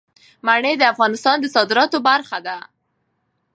منی د افغانستان د صادراتو برخه ده.